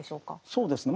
そうですね